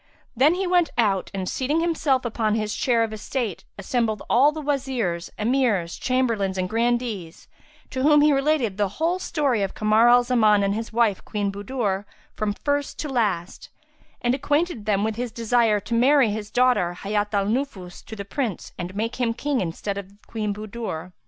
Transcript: Then he went out and, seating himself upon his chair of estate, assembled all the Wazirs, Emirs, Chamberlains and Grandees, to whom he related the whole story of Kamar al Zaman and his wife, Queen Budur, from first to last; and acquainted them with his desire to marry his daughter Hayat al Nufus to the Prince and make him King in the stead of Queen Budur.